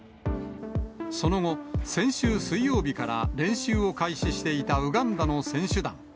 その後、先週水曜日から練習を開始していたウガンダの選手団。